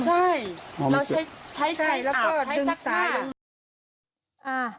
ใช่ใช้อาบให้ซักหน้า